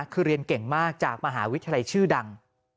คือเรียนเก่งมากจากมหาวิทยาลัยชื่อดัง